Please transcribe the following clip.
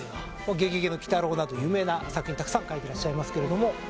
「ゲゲゲの鬼太郎」など有名な作品たくさん描いてらっしゃいますけれども。